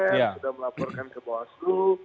sudah melaporkan ke bawaslu